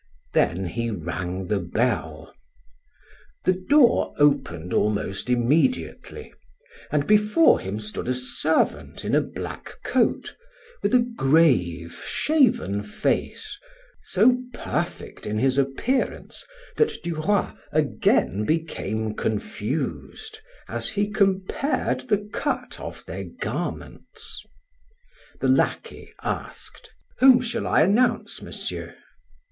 Then he rang the bell. The door opened almost immediately, and before him stood a servant in a black coat, with a grave, shaven face, so perfect in his appearance that Duroy again became confused as he compared the cut of their garments. The lackey asked: "Whom shall I announce, Monsieur?"